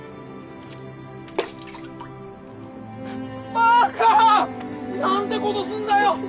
バカ！なんてことすんだよ！